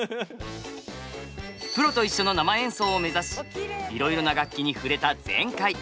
プロと一緒の生演奏を目指しいろいろな楽器に触れた前回。